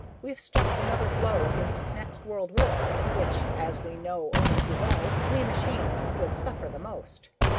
We've struck another blow against the next world war, in which as we know only too well! we machines would suffer the most.